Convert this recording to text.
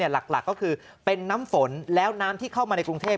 หลักก็คือเป็นน้ำฝนแล้วน้ำที่เข้ามาในกรุงเทพ